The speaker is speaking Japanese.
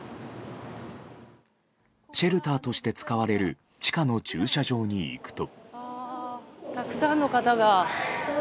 シェルターとして使われる地下の駐車場に行くと。